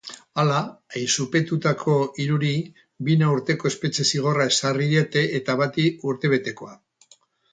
Hala, auzipetutako hiruri bina urteko espetxe-zigorra ezarri diete eta bati utebetekoa.